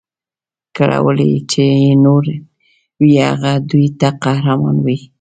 کړولي چي یې نور وي هغه دوی ته قهرمان وي